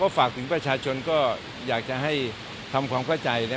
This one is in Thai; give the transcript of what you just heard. ฝากถึงประชาชนก็อยากจะให้ทำความเข้าใจ